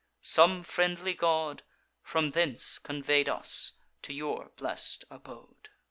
Some friendly god From thence convey'd us to your blest abode."